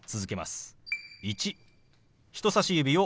「１」。